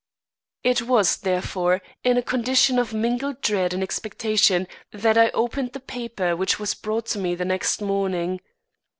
It was, therefore, in a condition of mingled dread and expectation that I opened the paper which was brought me the next morning.